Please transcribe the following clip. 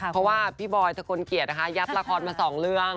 เพราะว่าพี่บอยถ้าคนเกลียดนะคะยับละครมาสองเรื่อง